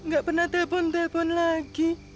gak pernah telepon telepon lagi